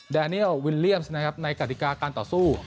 แนเนียลวิลเลี่ยมสนะครับในกฎิกาการต่อสู้